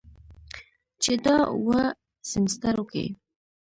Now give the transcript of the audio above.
چې دا اووه سميسترو کې